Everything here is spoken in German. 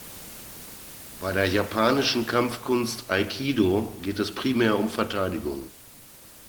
Bei der japanischen Kampfkunst Aikido geht es primär um Verteidigung.